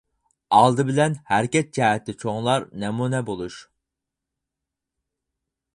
ئالدى بىلەن، ھەرىكەت جەھەتتە چوڭلار نەمۇنە بولۇش.